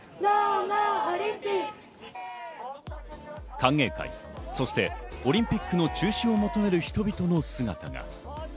歓迎会、そしてオリンピックの中止を求める人々の姿が。